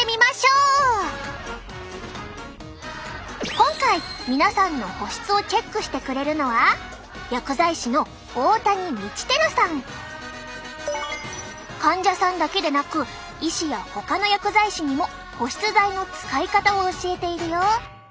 今回皆さんの保湿をチェックしてくれるのは患者さんだけでなく医師やほかの薬剤師にも保湿剤の使い方を教えているよ。